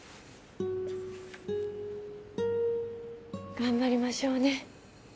頑張りましょうね。